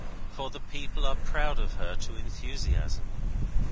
for the people are proud of her to enthusiasm.